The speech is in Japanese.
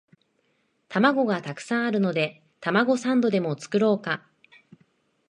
玉子がたくさんあるのでたまごサンドでも作ろうか